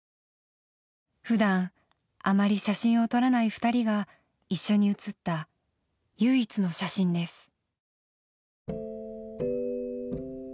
ふだんあまり写真を撮らない二人が一緒に写った唯一の写真です。